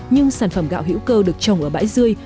nhưng sản phẩm gạo hữu cơ được trồng ở bãi dươi